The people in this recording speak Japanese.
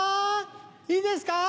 いいですか？